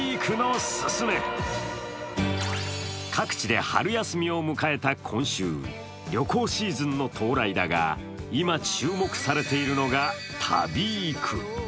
各地で春休みを迎えた今週、旅行シーズンの到来だが、今、注目されているのが旅育。